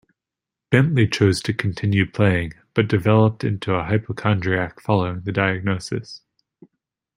Bentley chose to continue playing, but developed into a hypochondriac following the diagnosis.